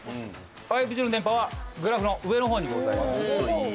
５Ｇの電波はグラフの上のほうにございます。